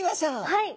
はい。